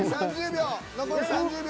残り３０秒。